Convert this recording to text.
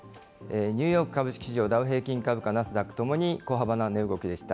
ニューヨーク株式市場、ダウ平均株価、ナスダックともに小幅な値動きでした。